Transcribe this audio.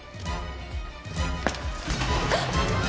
あっ！